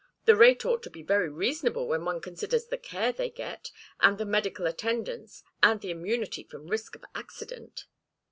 The rate ought to be very reasonable when one considers the care they get, and the medical attendance, and the immunity from risk of accident."